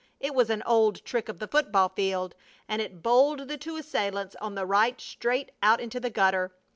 It was an old trick of the football field and it bowled the two assailants on the right straight out into the gutter.